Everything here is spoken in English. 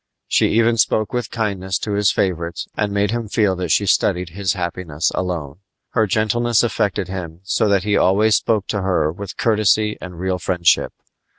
She even spoke with kindness to his favorites and made him feel that she studied his happiness alone. Her gentleness affected him so that he always spoke to her with courtesy and real friendship.